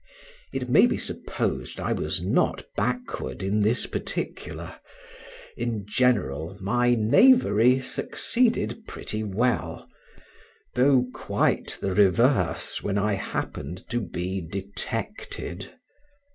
It may be supposed I was not backward in this particular: in general my knavery succeeded pretty well, though quite the reverse when I happened to be detected.